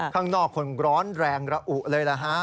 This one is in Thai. ข้างนอกคนร้อนแรงระอุเลย